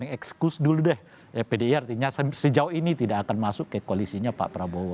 mengeksekus dulu deh pdi artinya sejauh ini tidak akan masuk ke koalisinya pak prabowo